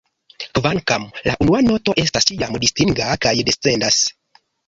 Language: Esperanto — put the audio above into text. Kvankam, la unua noto estas ĉiam distinga kaj descendas.